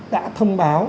đã thông báo